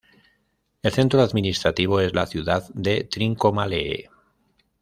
El centro administrativo es la ciudad de Trincomalee.